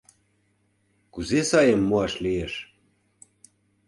КУЗЕ САЙЫМ МУАШ ЛИЕШ?